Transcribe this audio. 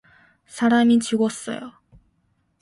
사람이 죽었어요.